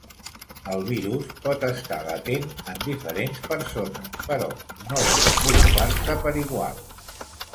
El virus pot estar latent en diferents persones però no desenvolupar-se per igual.